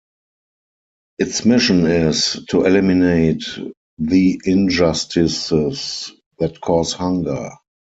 Its mission is "to eliminate the injustices that cause hunger".